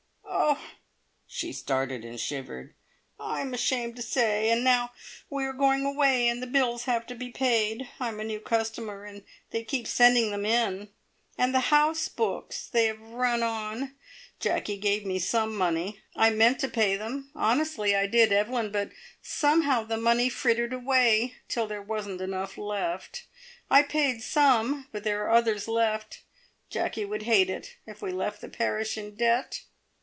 "Oh!" she started and shivered. "I'm ashamed to say. And now we are going away, and the bills have to be paid. I'm a new customer, and they keep sending them in. And the house books! They have run on. Jacky gave me some money. I meant to pay them, honestly I did, Evelyn, but somehow the money frittered away till there wasn't enough left. I paid some but there are others left. Jacky would hate it, if we left the parish in debt."